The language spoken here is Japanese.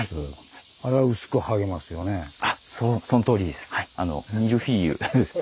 そのとおりです。